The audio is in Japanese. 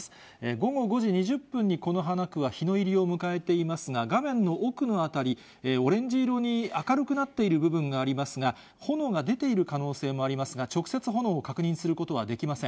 午後５時２０分に此花区は日の入りを迎えていますが、画面の奥の辺り、オレンジ色に明るくなっている部分がありますが、炎が出ている可能性もありますが、直接炎を確認することはできません。